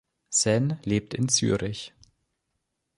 Senn lebt in Zürich.